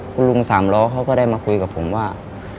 คุณลุงสามล้อเขาก็ได้มาคุยกับผมว่า